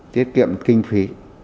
tiết kiệm kinh phí